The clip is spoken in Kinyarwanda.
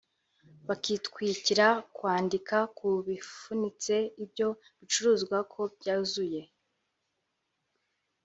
bakitwikira kwandika ku bifunitse ibyo bicuruzwa ko byuzuye